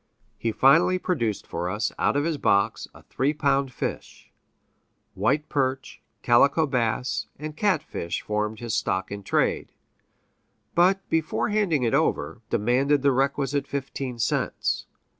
He finally produced for us, out of his box, a three pound fish, white perch, calico bass, and catfish formed his stock in trade, but, before handing it over, demanded the requisite fifteen cents.